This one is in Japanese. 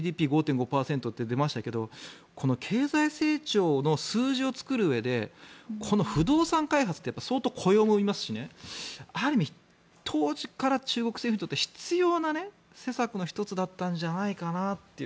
今、ＧＤＰ５．５％って出ましたけどこの経済成長の数字を作るうえで不動産開発って相当、雇用も生みますしねある意味、当時から中国政府にとっては必要な施策の１つだったんじゃないかなと。